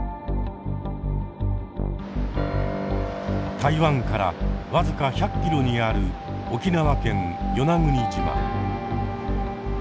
台湾から僅か１００キロにある沖縄県与那国島。